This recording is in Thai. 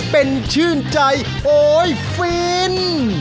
เป็นชื่นใจโอ๊ยฟิน